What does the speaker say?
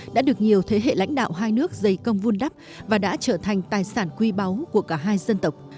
đã được nhiều thế hệ lãnh đạo hai nước dày công vun đắp và đã trở thành tài sản quy báu của cả hai dân tộc